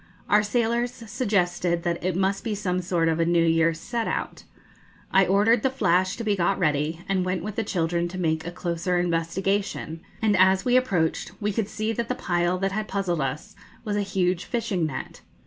Our sailors suggested that it must be 'some sort of a New Year's set out.' I ordered the 'Flash' to be got ready, and went with the children to make a closer investigation; and, as we approached, we could see that the pile that had puzzled us was a huge fishing net.